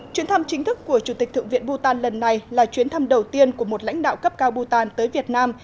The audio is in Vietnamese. chuyến thăm chính thức của chủ tịch thượng viện bù tàn lần này là chuyến thăm đầu tiên của một lãnh đạo cấp cao bù tàn tới việt nam